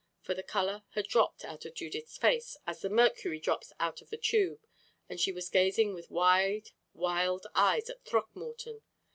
For the color had dropped out of Judith's face as the mercury drops out of the tube, and she was gazing with wide, wild eyes at Throckmorton.